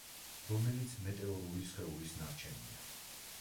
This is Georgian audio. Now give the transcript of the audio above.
რომელიც მეტეორული სხეულის ნარჩენია.